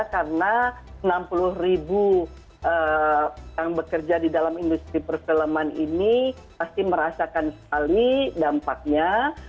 karena enam puluh ribu yang bekerja di dalam industri perfilman ini pasti merasakan sekali dampaknya